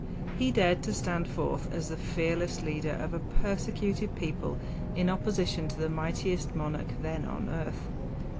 He dared to stand forth as the fearless leader of a persecuted people in opposition to the mightiest monarch then on earth.